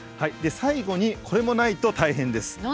で最後にこれもないと大変です。